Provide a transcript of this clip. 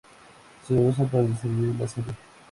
Se usa para describir la serie.